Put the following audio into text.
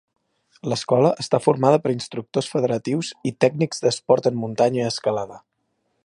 L’Escola està formada per instructors federatius i tècnics d’esport en muntanya i escalada.